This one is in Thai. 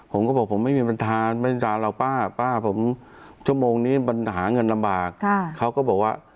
ผมก็บอกผมไม่มีปัญหาหรอกป้าป้าผมชั่วโมงนี้มันหาเงินลำบากเขาก็บอกว่า